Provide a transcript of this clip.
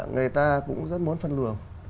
người ta cũng rất muốn phân luồng